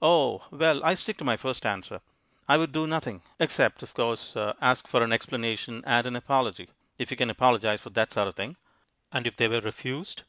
"Oh! Well, I stick to my first answer. I would do nothing except, of course, ask for an explanation and an apology. If you can apologize for that sort of thing." "And if they were refused?"